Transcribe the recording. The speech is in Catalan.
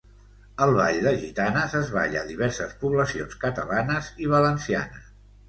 El Ball de Gitanes es balla a diverses poblacions catalanes i valencianes.